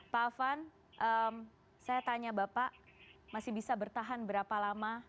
pak afan saya tanya bapak masih bisa bertahan berapa lama